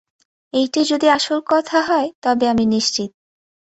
এইটেই যদি আসল কথা হয় তবে আমি নিশ্চিত।